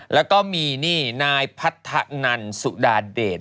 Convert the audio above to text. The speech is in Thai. แล้วก็มีนี่นายพัฒนันสุดาเดช